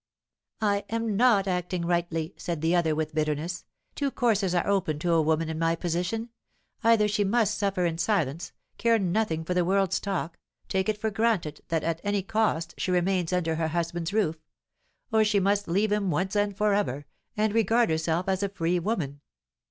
"I am not acting rightly," said the other, with bitterness. "Two courses are open to a woman in my position. Either she must suffer in silence, care nothing for the world's talk, take it for granted that, at any cost, she remains under her husband's roof; or she must leave him once and for ever, and regard herself as a free woman.